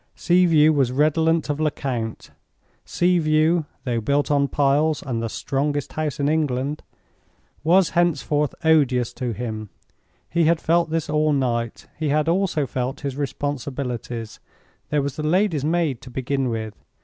Sea View was redolent of Lecount: Sea View (though built on piles, and the strongest house in England) was henceforth odious to him. He had felt this all night; he had also felt his responsibilities. There was the lady's maid, to begin with.